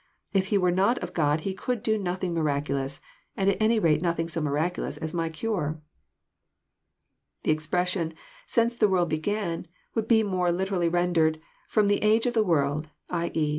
If He were not of God I He could do nothing miraculous, and at any rate nothing so I miraculous as my cure.'! The expression, since the world began," would be more literally rendered, '* ftom. the age of the world ;" i.e.